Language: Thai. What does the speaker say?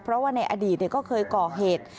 เพราะว่าในอดีตก็เคยก่อเหตุ